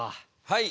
はい。